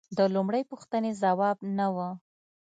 د لومړۍ پوښتنې ځواب نه و